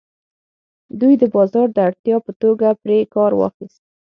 دوی د بازار د اړتیا په توګه پرې کار واخیست.